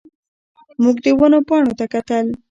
موږ د ونو پاڼو ته کتل.